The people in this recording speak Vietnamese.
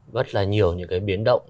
rất là nhiều những cái biến động